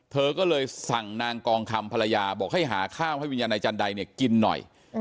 เธอก็เลยสั่งนางกองคำภรรยาบอกให้หาข้าวให้วิญญาณนายจันไดเนี่ยกินหน่อย